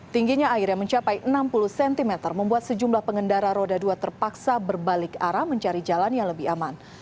tingginya air yang mencapai enam puluh cm membuat sejumlah pengendara roda dua terpaksa berbalik arah mencari jalan yang lebih aman